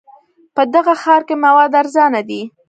په دغه ښار کې مواد ارزانه دي.